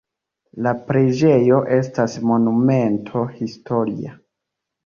La preĝejo estas monumento historia.